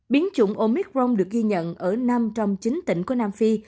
biến chủng omicron được ghi nhận ở năm trong chín tỉnh của nam phi